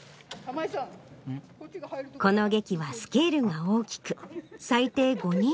この劇はスケールが大きく最低５人の手が必要。